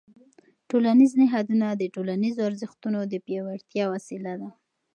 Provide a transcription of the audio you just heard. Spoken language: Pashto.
ټولنیز نهاد د ټولنیزو ارزښتونو د پیاوړتیا وسیله ده.